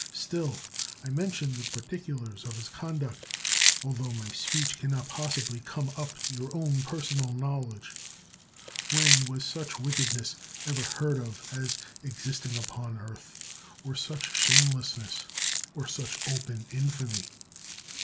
Still I mention the particulars of his conduct, altho my speech can not possibly come up to your own personal knowledge. When was such wickedness ever heard of as existing upon earth t or such shamelessnesst or such open infamy?